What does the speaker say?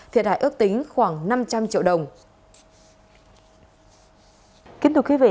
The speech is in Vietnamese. thiệt hại ước tính khoảng năm trăm linh triệu đồng